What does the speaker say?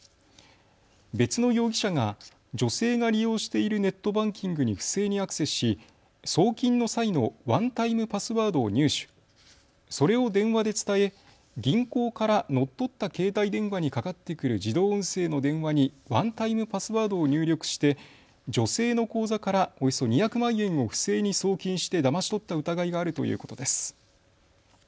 別の容疑者が女性が利用しているネットバンキングに不正にアクセスし送金の際のワンタイムパスワードを入手、それを電話で伝え銀行から乗っ取った携帯電話にかかってくる自動音声の電話にワンタイムパスワードを入力して女性の口座からおよそ２００万円を不正に送金してだまし取った疑いがあるということです。